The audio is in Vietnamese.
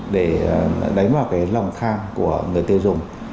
để đánh vào cái lòng khan của người tiêu dùng